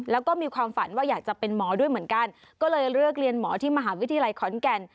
แล้วก็มีความฝันว่าอยากจะเป็นหมอด้วยเหมือนกันก็เลยเลือกเรียนหมอที่มหาวิทยาลัยขอนแก่น